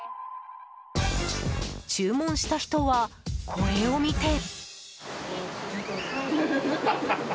注文した人はこれを見て。